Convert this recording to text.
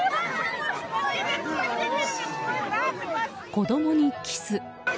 子供にキス。